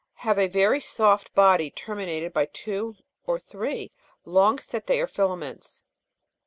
43) have a very soft body terminated by two or three long setse or filaments.